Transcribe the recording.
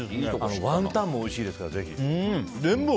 ワンタンもおいしいですからぜひ。